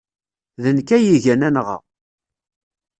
D nekk ay igan anɣa.